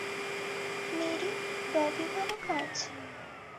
Mary, রবিবারও কাজ?